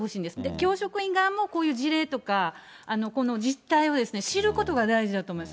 教職員側も、こういう事例とか、この実態を知ることが大事だと思います。